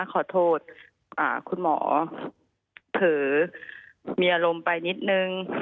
ขอโทษคุณหมอถือมีอารมณ์ไปนิดนึง